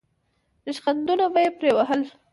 ریشخندونه به یې پرې وهل.